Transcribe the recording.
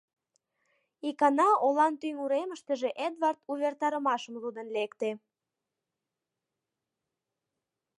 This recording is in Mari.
Икана олан тӱҥ уремыштыже Эдвард увертарымашым лудын лекте.